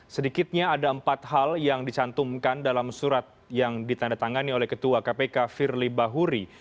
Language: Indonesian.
sedikitnya ada empat hal yang dicantumkan dalam surat yang ditandatangani oleh ketua kpk firly bahuri